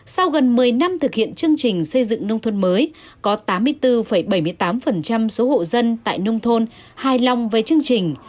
sau gần một mươi năm thực hiện chương trình xây dựng nông thôn mới có tám mươi bốn bảy mươi tám số hộ dân tại nông thôn hài lòng với chương trình